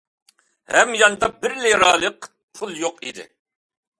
ھەمياندا بىر لىرالىق پۇل يوق ئىدى.